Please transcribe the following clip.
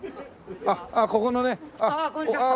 あっここのね。ああ！